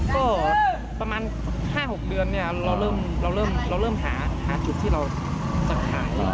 ก็ประมาณ๕๖เดือนเนี่ยเราเริ่มหาจุดที่เราจะขาย